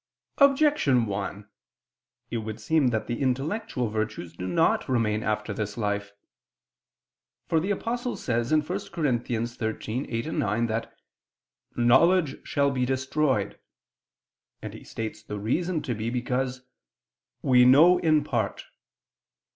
Objection 1: It would seem that the intellectual virtues do not remain after this life. For the Apostle says (1 Cor. 13:8, 9) that "knowledge shall be destroyed," and he states the reason to be because "we know in part."